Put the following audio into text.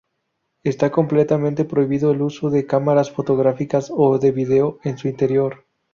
Está completamente prohibido el uso de cámaras fotográficas o de vídeo en su interior.